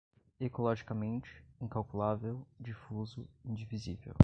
ecologicamente, incalculável, difuso, indivisível